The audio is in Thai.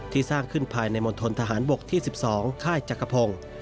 สร้างขึ้นภายในมณฑนทหารบกที่๑๒ค่ายจักรพงศ์